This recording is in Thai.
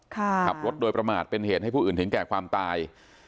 ขับรถโดยประมาทเป็นเหตุให้ผู้อื่นถึงแก่ความตาย